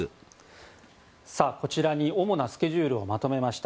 こちらに主なスケジュールをまとめました。